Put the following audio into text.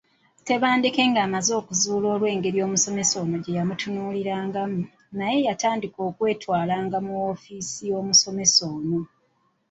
Tebandeke ng’amaze okukizuula olw’engeri omusomesa ono gye yamutunuulirangamu, naye yatandika okwetwalanga mu woofiisi y’omusomesa ono.